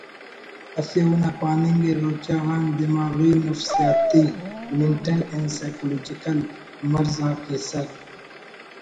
اسے اونا پاننگ ءِ ”روچہ غان دماغی و نفسیاتی (Mental and Psychological) مرض آک ایسر